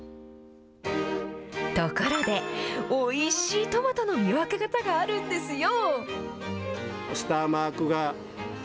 ところで、おいしいトマトの見分け方があるんですよ。